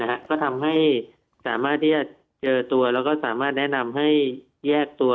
ก็ทำให้สามารถที่จะเจอตัวแล้วก็สามารถแนะนำให้แยกตัว